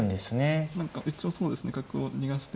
何か一応そうですね角を逃がして。